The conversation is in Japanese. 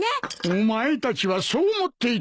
お前たちはそう思っていたのか！